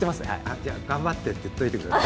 じゃあ頑張ってって言っておいてください。